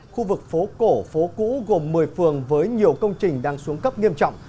khu vực phố cổ phố cũ gồm một mươi phường với nhiều công trình đang xuống cấp nghiêm trọng